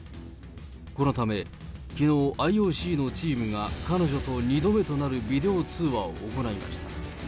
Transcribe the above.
このため、きのう、ＩＯＣのチームが彼女と２度目となるビデオ通話を行いました。